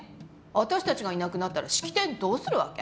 私達がいなくなったら式典どうするわけ？